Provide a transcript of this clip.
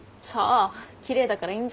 奇麗だからいいじゃん。